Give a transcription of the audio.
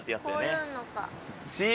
こういうのか。